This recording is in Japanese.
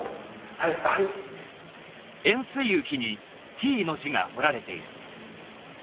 はいはいっ？